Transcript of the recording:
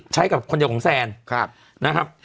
ใช้กับคนเดียวของแซนนะครับ